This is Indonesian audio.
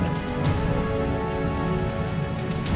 kamu tau ini kan naib